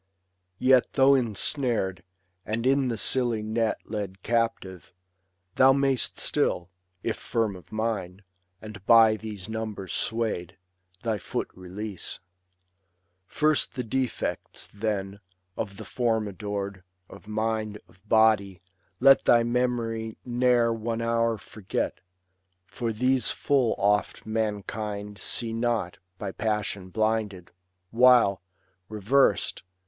Yet though insnar'd, and in the silly net Led captive, thou may'st still, if firm of mind, And by these numbers sway'd, thy foot release* First the defects, then, of the form adored, Of mind, of body, let thy memory ne'er One hour forget ; for these full oft mankind See not, by passion blinded ; while, reversed.